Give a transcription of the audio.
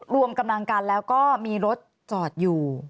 รวมกำลังกันแล้วก็มีรถจอดอยู่